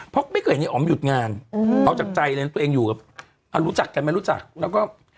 เพราะไม่เก็บเห็นไอ้อ๋อมหยุดงานเอาจากใจเลยตัวเองอยู่ค่ะแล้วก็